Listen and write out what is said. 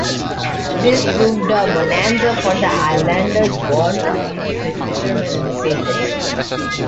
This proved a bonanza for the islanders, born to be fishermen and sailors.